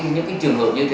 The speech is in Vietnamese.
những cái trường hợp như thế